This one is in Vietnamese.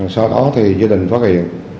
sau đó thì gia đình phát hiện